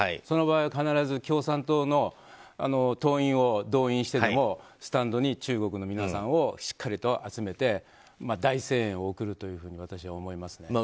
その場合は、必ず共産党の党員を動員してでもスタンドに中国の皆さんをしっかりと集めて大声援を送ると私は思いますね。